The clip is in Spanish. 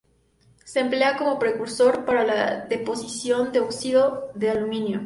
Se emplea cómo precursor para la deposición de óxido de aluminio.